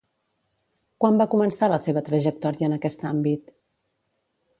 Quan va començar la seva trajectòria en aquest àmbit?